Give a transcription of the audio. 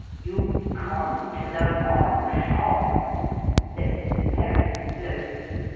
'You've come to the wrong shop,' said Mr. Perrin slowly.